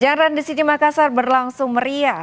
jalan di sini makassar berlangsung meriah